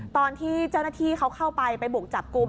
ตอนที่เจ้าหน้าที่เขาเข้าไปไปบุกจับกลุ่ม